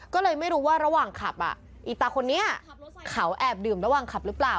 ก็เลยไม่รู้ว่าระหว่างขับอีตาคนนี้เขาแอบดื่มระหว่างขับหรือเปล่า